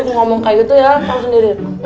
ngomong kayak gitu ya tau sendiri